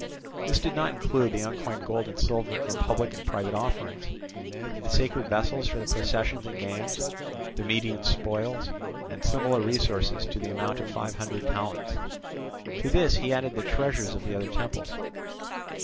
This did not include the uncoined gold and silver in public and private offerings, the sacred vessels for the processions and games, the Median spoils, and similar resources to the amount of five hundred talents. To this he added the treasures of the other temples.